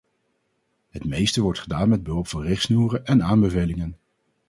Het meeste wordt gedaan met behulp van richtsnoeren en aanbevelingen.